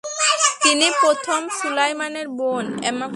তিনি প্রথম সুলাইমানের বোন।